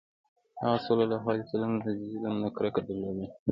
هغه ﷺ له ظلم نه کرکه درلوده.